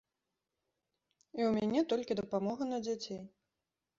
І ў мяне толькі дапамога на дзяцей.